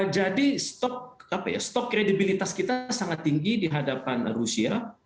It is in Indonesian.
jadi stok kredibilitas kita sangat tinggi di hadapan rusia